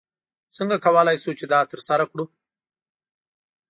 څنګه کولی شو چې دا ترسره کړو؟